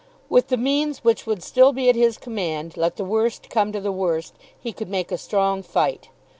With the means which would still be at his command, let the worst come to the worst, he could make a strong fight.